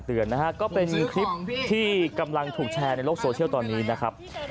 ที่กำลังถูกแชร์โลกโทรเชียลตอนนี้นะครับ